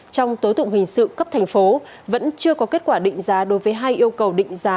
trong tố tụng hình sự cấp thành phố vẫn chưa có kết quả định giá đối với hai yêu cầu định giá